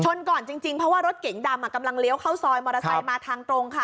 ก่อนจริงเพราะว่ารถเก๋งดำกำลังเลี้ยวเข้าซอยมอเตอร์ไซค์มาทางตรงค่ะ